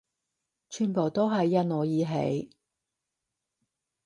全部都係因我而起